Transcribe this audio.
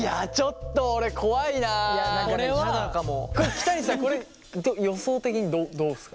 北西さんこれ予想的にどうすか？